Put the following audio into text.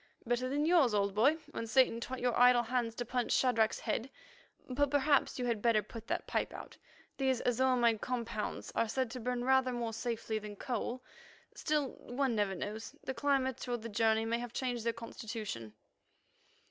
"Better than yours, old boy, when Satan taught your idle hands to punch Shadrach's head. But perhaps you had better put that pipe out. These azo imide compounds are said to burn rather more safely than coal. Still, one never knows; the climate or the journey may have changed their constitution."